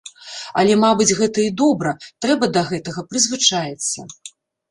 Але, мабыць, гэта і добра, трэба да гэтага прызвычаіцца.